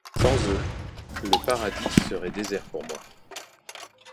Sans eux, le paradis serait désert pour moi.